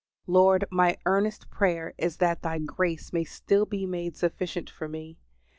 Lord, my earnest prayer is that Thy grace may still be made sufficient for me.